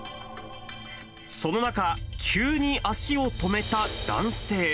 その中、急に足を止めた男性。